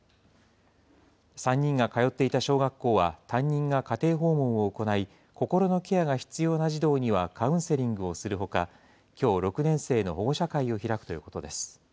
３人が通っていた小学校は、担任が家庭訪問を行い、心のケアが必要な児童にはカウンセリングをするほか、きょう、６年生の保護者会を開くということです。